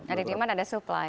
ada di mana ada supply